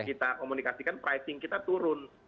kita komunikasikan pricing kita turun